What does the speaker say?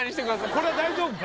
これは大丈夫か？